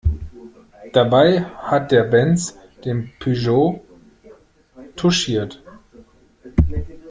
Dabei hat der Benz den Peugeot touchiert.